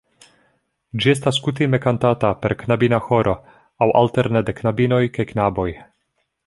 Ĝi estas kutime kantata per knabina ĥoro aŭ alterne de knabinoj kaj knaboj.